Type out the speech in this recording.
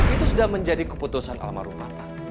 itu sudah menjadi keputusan almarhum bapak